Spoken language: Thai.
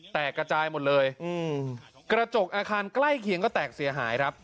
กระจายหมดเลยอืมกระจกอาคารใกล้เคียงก็แตกเสียหายครับ